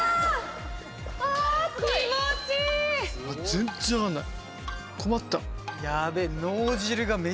全然分からない。